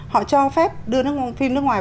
họ cho phép đưa phim nước ngoài